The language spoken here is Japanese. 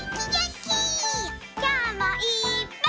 きょうもいっぱい。